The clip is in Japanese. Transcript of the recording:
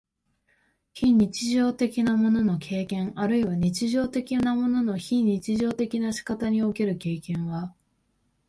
非日常的なものの経験あるいは日常的なものの非日常的な仕方における経験は、